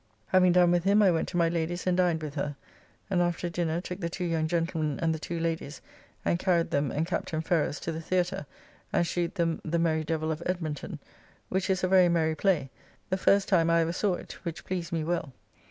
Having done with him I went to my Lady's and dined with her, and after dinner took the two young gentlemen and the two ladies and carried them and Captain Ferrers to the Theatre, and shewed them "The merry Devill of Edmunton," which is a very merry play, the first time I ever saw it, which pleased me well.